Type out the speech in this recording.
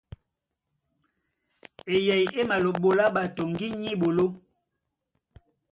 Eyɛy é maɓolá ɓato ŋgínya á eɓoló.